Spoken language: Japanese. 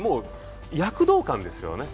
躍動感ですよね。